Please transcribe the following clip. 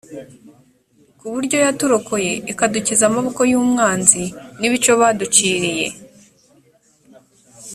ku buryo yaturokoye ikadukiza amaboko y umwanzi n ibico baduciriye